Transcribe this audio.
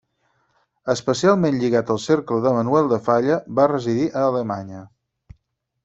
Especialment lligat al cercle de Manuel de Falla, va residir a Alemanya.